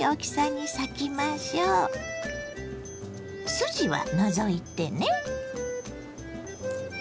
筋は除いてね。